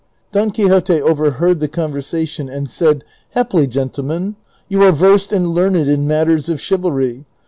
Don Quixote overheard the conversation and said, '' Haply, gentlemen, you are versed and learned in matters of chivalry